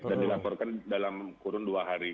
dan dilaporkan dalam kurun dua hari